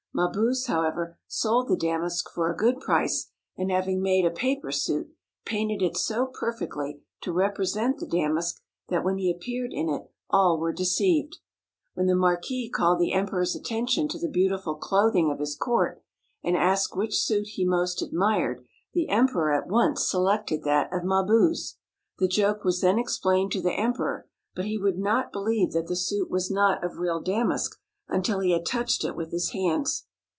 Mabuse, however, sold the damask for a good price, and having made a paper suit, painted it so perfectly to represent the damask that when he appeared in it all were deceived. When the marquis called the emperor's attention to the beautiful clothing of his court, and asked which suit he most admired, the emperor at once selected that of Mabuse. The joke was then explained to the emperor, but he would not believe that the suit was not of real damask until he had touched it with his hands.